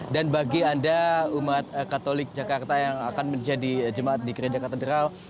dan bagi anda umat katolik jakarta yang akan menjadi jemaat di gereja katedral